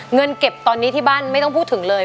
เงินเก็บตอนนี้ที่บ้านไม่ต้องพูดถึงเลย